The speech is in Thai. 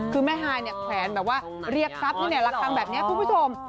คือแม่ฮายเนี่ยแขวนแบบว่าเรียกทรัพย์เนี่ยหลักคังแบบเนี่ยคุณผู้ชม